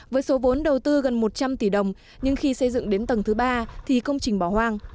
với số vốn đầu tư gần một trăm linh tỷ đồng nhưng khi xây dựng đến tầng thứ ba thì công trình bỏ hoang